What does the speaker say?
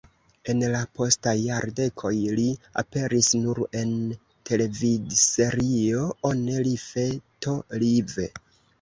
En la postaj jardekoj li aperis nur en televidserio "One Life to Live".